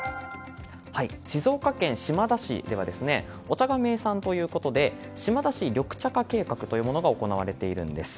静岡県島田市ではお茶が名産ということで島田市緑茶化計画というものが行われているんです。